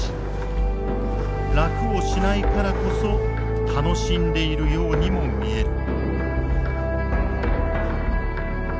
楽をしないからこそ楽しんでいるようにも見える。